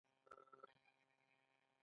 سبهاش چندر بوس ازاد هند پوځ جوړ کړ.